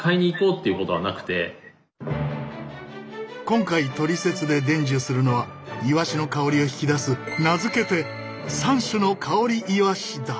今回「トリセツ」で伝授するのはイワシの香りを引き出す名付けて３種の香りイワシだ！